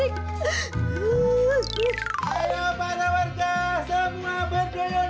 jangan begitu lah